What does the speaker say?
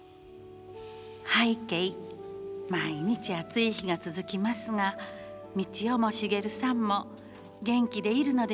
「拝啓毎日暑い日が続きますが道雄も茂さんも元気でいるのでしょうね」。